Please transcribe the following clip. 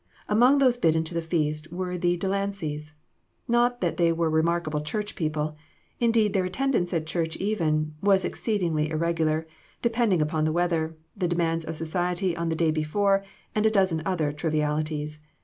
Among those bidden to the feast were the Delancys. Not that they were remarkable church people ; indeed, their attendance at church even, was exceedingly irreg ular, depending upon the weather, the demands of society pn the day before, and a dozen other trivialities.